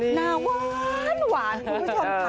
หน้าหวานคุณผู้ชมค่ะ